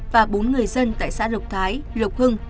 và bốn người dân tại xã lộc thái lộc hưng